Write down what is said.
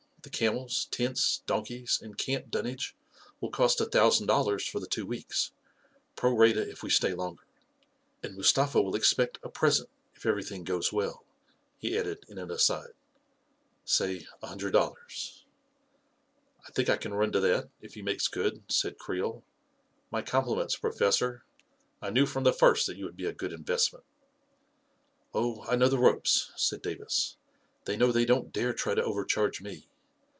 The camels, tents, donkeys, and camp dun nage will cost a thousand dollars for the two weeks — pro rata if we stay longer. And Mustafa will expect a present if everything goes well," he added in an aside ;" say a hundred dollars." 44 1 think I can run to that, if he makes good," said Creel. " My compliments, Professor. I knew from the first that you would be a good investment." 44 Oh, I know the ropes," said Davis. <4 They know they don't dare try to overcharge me.